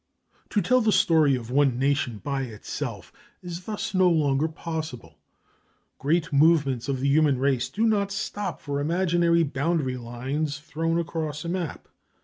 To tell the story of one nation by itself is thus no longer possible. Great movements of the human race do not stop for imaginary boundary lines thrown across a map.